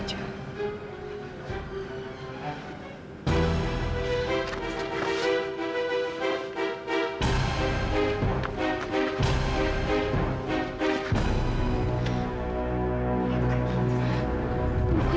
ini buku berisi apa dokter